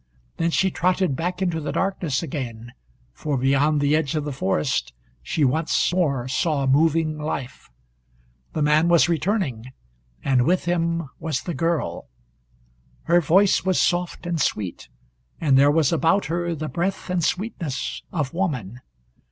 Then she trotted back into the darkness again, for beyond the edge of the forest she once more saw moving life. The man was returning, and with him was the girl. Her voice was soft and sweet, and there was about her the breath and sweetness of woman.